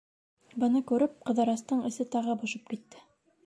Быны күреп, Ҡыҙырастың эсе тағы бошоп китте.